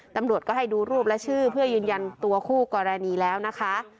ตำรวจก็ให้ดูรูปและชื่อเพื่อยืนยันตัวคู่กรณีแล้วนะคะ